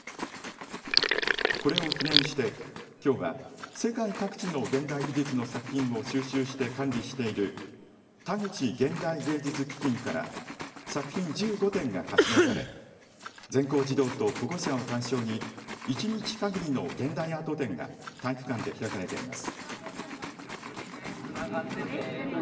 これを記念してきょうは世界各地の現代美術の作品を収集して管理しているタグチ現代美術基金から作品１５点が貸し出され全校児童と保護者を対象に１日限りの現代アート展が体育館で開かれています。